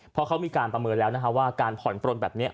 เพราะเขามีการประเมินแล้วนะครับว่าการผ่อนปลนแบบนี้